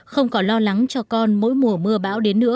không có lo lắng cho con mỗi mùa mưa bão